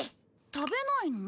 食べないの？